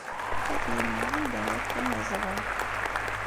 Ad t-jemɛeɣ anda ara yeqqim yeẓɣel.